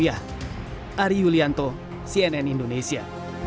ari yulianto cnn indonesia